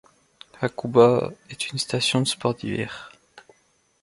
Hakuba est une station de sports d'hiver.